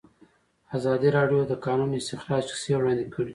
ازادي راډیو د د کانونو استخراج کیسې وړاندې کړي.